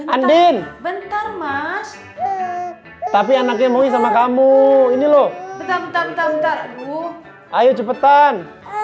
andien bentar mas tapi anaknya mau sama kamu ini loh ayo cepetan